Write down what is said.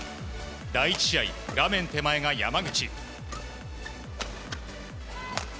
第１試合、画面手前が山口。